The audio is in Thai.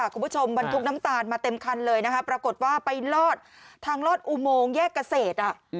บรรทุกน้ำตาลมาเต็มคันเลยนะคะปรากฏว่าไปลอดทางลอดอุโมงแยกเกษตร